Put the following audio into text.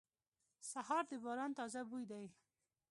سهار د باران تازه بوی دی.